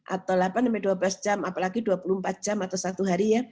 atau delapan dua belas jam apalagi dua puluh empat jam atau satu hari ya